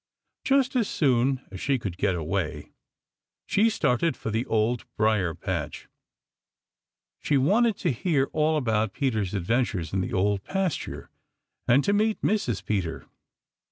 Just as soon as she could get away, she started for the Old Briar patch. She wanted to hear all about Peter's adventures in the Old Pasture and to meet Mrs. Peter.